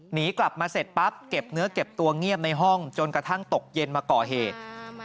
หนีกลับมาเสร็จปั๊บเก็บเนื้อเก็บตัวเงียบในห้องจนกระทั่งตกเย็นมาก่อเหตุ